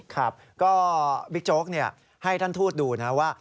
ครับก็บิ๊กโจ๊กให้ท่านทูตดูนะว่า